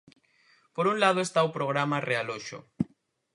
Por un lado está o Programa Realoxo.